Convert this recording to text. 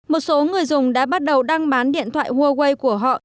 một số người dùng đã bắt đầu đăng bán điện thoại huawei của họ